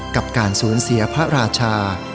กับการสูญเสียพระราชา